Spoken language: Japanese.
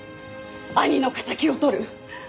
兄の敵を取る！